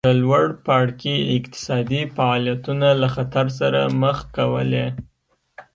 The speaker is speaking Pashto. د لوړ پاړکي اقتصادي فعالیتونه له خطر سره مخ کولې